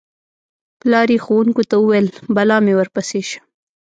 پلار یې ښوونکو ته وویل: بلا مې ورپسې شه.